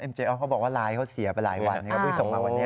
เจอออฟเขาบอกว่าไลน์เขาเสียไปหลายวันก็เพิ่งส่งมาวันนี้